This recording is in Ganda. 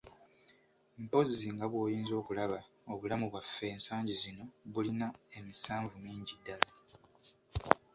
Mpozzi nga bw'oyinza okulaba obulamu bwaffe ensangi zino bulina emisanvu mingi ddala.